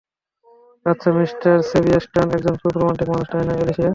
আচ্ছা, mister Sebastian একজন খুব রোমান্টিক মানুষ, তাই না, অ্যালিসিয়া?